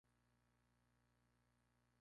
Jugo inferiores en Everton de Viña del Mar.